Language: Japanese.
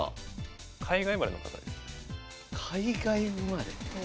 海外生まれ？